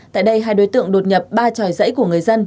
tại đây hai đối tượng đột nhập ba tròi dãy của người dân